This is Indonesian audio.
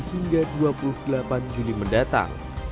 hingga dua puluh delapan juni mendatang